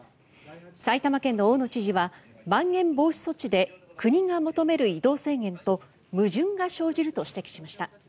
埼玉県の大野知事はまん延防止等重点措置で国が求める移動制限と矛盾が生じると指摘しました。